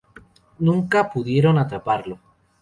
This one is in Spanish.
Nunca pudieron atraparlo.